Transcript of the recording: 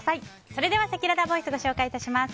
それでは、せきららボイスご紹介致します。